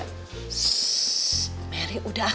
shhh merry udah ah